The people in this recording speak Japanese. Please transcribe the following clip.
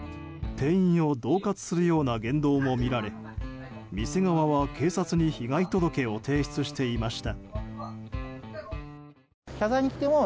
店員を恫喝するような言動も見られ店側は、警察に被害届を提出していました。